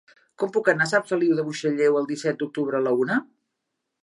Com puc anar a Sant Feliu de Buixalleu el disset d'octubre a la una?